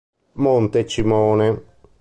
Monte Cimone